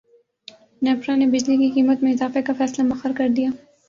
نیپرا نے بجلی کی قیمت میں اضافے کا فیصلہ موخر کردیا